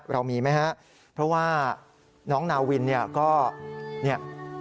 เรามีไหมฮะเพราะว่าน้องนาวินเนี่ยก็เนี่ย